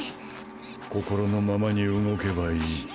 心のままに動けばいい。